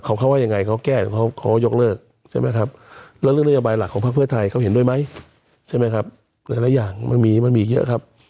เขาเขาว่ายังไงเขาแก้หรือเขายกเลิกใช่ไหมครับแล้วเรื่องนโยบายหลักของภาคเพื่อไทยเขาเห็นด้วยไหมใช่ไหมครับหลายอย่างมันมีมันมีเยอะครับ